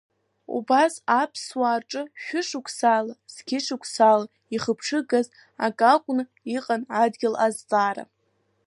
Убас аԥсуаа рҿы шәы-шықәсала, зқьы-шықәсала ихыԥҽыгаз ак акәны иҟан адгьыл азҵаара.